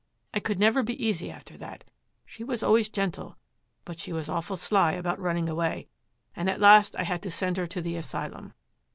I could never be easy after that; she was always gentle, but she was awful sly about running away, and at last I had to send her to the asylum.